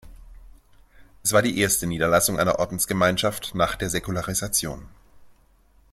Es war die erste Niederlassung eine Ordensgemeinschaft nach der Säkularisation.